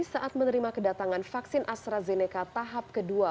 saat menerima kedatangan vaksin astrazeneca tahap kedua